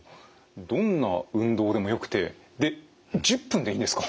どんな運動でもよくてで１０分でいいんですか？